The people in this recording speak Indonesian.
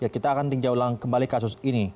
kita akan tinjau ulang kembali kasus ini